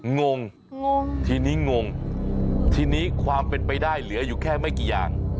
งงงทีนี้งงทีนี้ความเป็นไปได้เหลืออยู่แค่ไม่กี่อย่าง